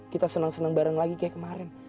kita seneng seneng bareng lagi kayak kemaren